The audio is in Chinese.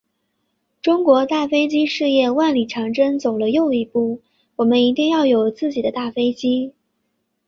中国大飞机事业万里长征走了又一步，我们一定要有自己的大飞机。